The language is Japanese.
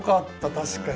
確かに。